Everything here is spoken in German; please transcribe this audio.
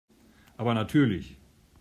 Aber natürlich.